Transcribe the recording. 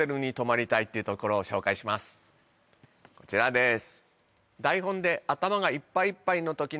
こちらです